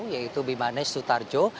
yaitu bimanes sutarjo